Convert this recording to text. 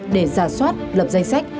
để giả soát lập danh sách